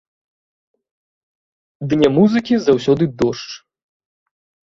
Дне музыкі заўсёды дождж.